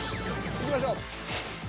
いきましょう。